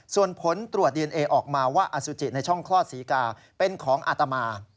ส่วนผลตรวจดีเอนเอออกมาว่าอสุจิในช่องคลอดศรีกาเป็นของอาตมา